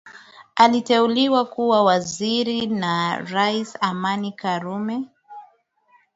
Aliteuliwa kuwa waziri na rais Amani Karume